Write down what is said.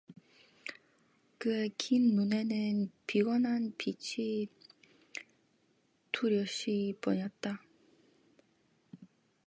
그의 긴 눈에는 피곤한 빛이 뚜렷이 보였다.